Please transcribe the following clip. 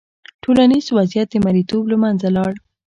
ټولنیز وضعیت د مریتوب له منځه لاړ.